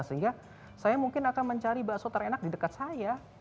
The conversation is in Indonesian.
sehingga saya mungkin akan mencari bakso terenak di dekat saya